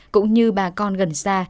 cũng như bà con gần xa